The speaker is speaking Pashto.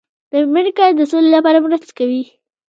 د میرمنو کار د سولې لپاره مرسته کوي.